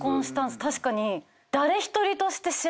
確かに。